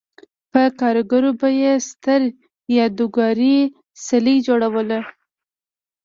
په کارګرو به یې ستر یادګاري څلي جوړول